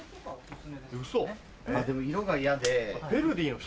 ウソ⁉でも色が嫌で。